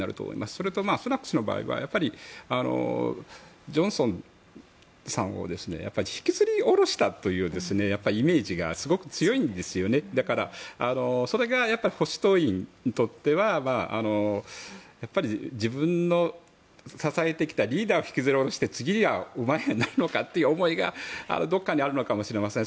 それとスナク氏の場合は恐らくジョンソンさんを引きずり下ろしたというイメージがすごく強いんですよねだからそれが保守党員にとってはやっぱり自分の支えてきたリーダーを引きずり下ろして次はお前になるのかという思いがどこかにあるのかもしれません。